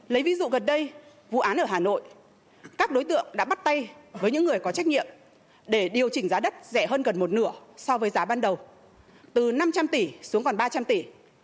lấy ví dụ gần đây vụ án ở hà nội các đối tượng đã bắt tay với những người có trách nhiệm để điều chỉnh giá đất rẻ hơn gần một nửa so với giá ban đầu từ năm trăm linh tỷ xuống còn ba trăm linh tỷ